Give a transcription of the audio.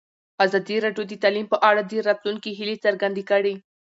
ازادي راډیو د تعلیم په اړه د راتلونکي هیلې څرګندې کړې.